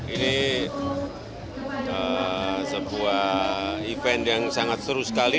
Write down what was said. ini sebuah event yang sangat seru sekali